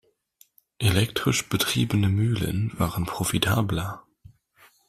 Elektrisch betriebene Mühlen waren profitabler.